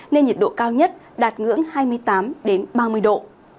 nên nhiệt độ cao nhất đạt ngưỡng hai mươi tám ba mươi độ